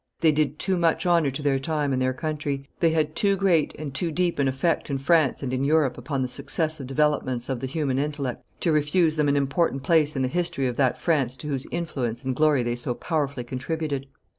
They did too much honor to their time and their country, they had too great and too deep an effect in France and in Europe upon the successive developments of the human intellect, to refuse them an important place in the history of that France to whose influence and glory they so powerfully contributed.